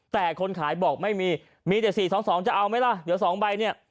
แต่คนขายบอกไม่มีมีแต่๔๒๒จะเอาไหมล่ะเดี๋ยว๒ใบเนี่ย